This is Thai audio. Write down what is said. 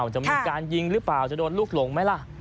จะมีการยิงหรือเปล่าจะโดนลูกหลงไหมล่ะ